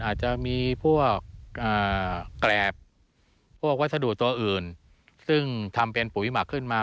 อาจจะมีพวกแกรบพวกวัสดุตัวอื่นซึ่งทำเป็นปุ๋ยหมักขึ้นมา